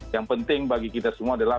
yang penting bagi kita semua adalah